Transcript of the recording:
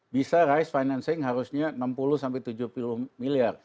bisa rice financing harusnya enam puluh tujuh puluh miliar